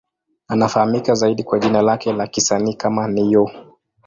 Anafahamika zaidi kwa jina lake la kisanii kama Ne-Yo.